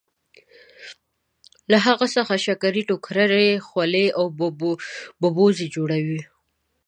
له هغه څخه شکرۍ ټوکرۍ خولۍ او ببوزي جوړوي.